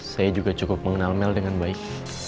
saya juga cukup mengenal mel dengan baik